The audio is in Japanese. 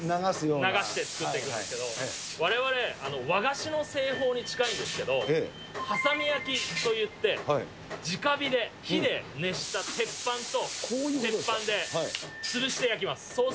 流して作っていくんですけど、われわれ、和菓子の製法に近いんですけど、挟み焼きといって、じか火で、火で熱した鉄板と鉄板で潰して焼きます。